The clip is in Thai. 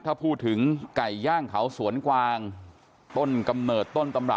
ถ้าพูดถึงไก่ย่างเขาสวนกวางต้นกำเนิดต้นตำรับ